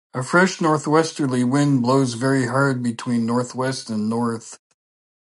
A fresh northwesterly wind blows very hard between northwest and north.